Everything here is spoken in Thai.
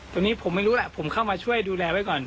ตรงนี้ผมไม่รู้แหละผมเข้ามาช่วยดูแลไว้ก่อน